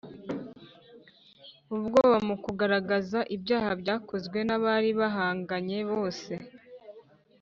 ubwoba mu kugaragaza ibyaha byakozwe n'abari bahanganye bose